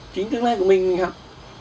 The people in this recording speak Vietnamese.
chính tương lai của mình mình học